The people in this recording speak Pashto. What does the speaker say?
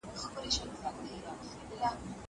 زه له سهاره ځواب ليکم.